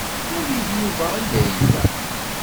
Nadi-d Yuba anda yella.